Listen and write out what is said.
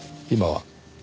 今は。